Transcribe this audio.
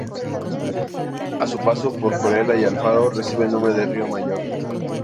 A su paso por Corella y Alfaro recibe el nombre de Río Mayor.